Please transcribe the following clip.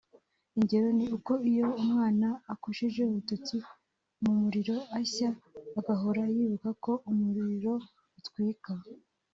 Ingero ni uko iyo umwana akojeje urutoki mu muriro ashya agahora yibuka ko umuriro utwikana